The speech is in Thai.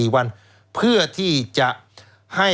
๔วันเพื่อที่จะให้